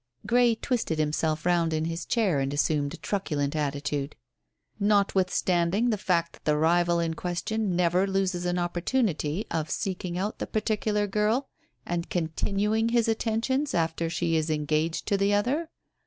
Grey twisted himself round in his chair and assumed a truculent attitude. "Notwithstanding the fact that the rival in question never loses an opportunity of seeking out the particular girl, and continuing his attentions after she is engaged to the other?